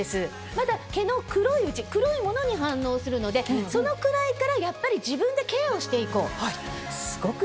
まだ毛の黒いうち黒いモノに反応するのでそのくらいからやっぱり自分でケアをしていこう。